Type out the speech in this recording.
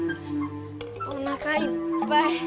おなかいっぱい。